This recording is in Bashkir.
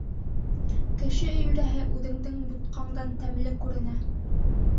Кеше өйрәһе үҙеңдең бутҡаңдан тәмле күренә.